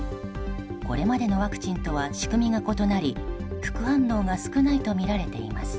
これまでのワクチンとは仕組みが異なり副反応が少ないとみられています。